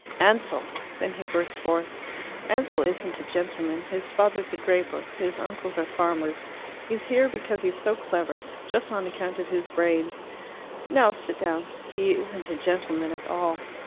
"Ansell" Then he burst forth. "Ansell isn't a gentleman. His father's a draper. His uncles are farmers. He's here because he's so clever just on account of his brains. Now, sit down. He isn't a gentleman at all."